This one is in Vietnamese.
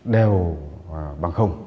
đều bằng không